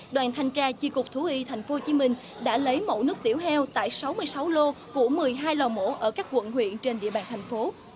đoàn thanh tra chi cục thú y tp hcm đã lấy mẫu nước tiểu heo tại sáu mươi sáu lô của một mươi hai lò mổ ở các quận huyện trên địa bàn thành phố